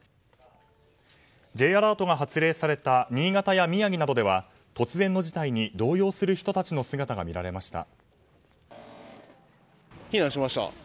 Ｊアラートが発令された新潟や宮城などでは突然の事態に動揺する人たちの姿が見られました。